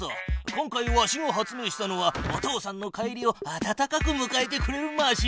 今回わしが発明したのはお父さんの帰りを温かくむかえてくれるマシーン。